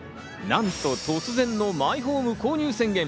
何と突然のマイホーム購入宣言。